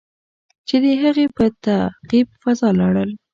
چې د هغې په تعقیب فضا ته لاړل.